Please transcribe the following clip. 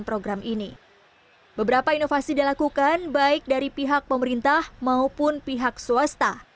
program ini beberapa inovasi dilakukan baik dari pihak pemerintah maupun pihak swasta